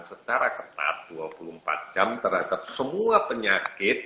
secara ketat dua puluh empat jam terhadap semua penyakit